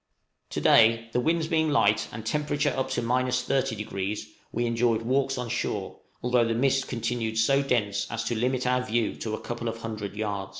To day, the winds being light and temperature up to 30°, we enjoyed walks on shore, although the mist continued so dense as to limit our view to a couple of hundred yards.